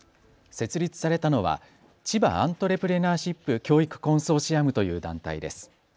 設立されたのはちばアントレプレナーシップ教育コンソーシアムという団体です。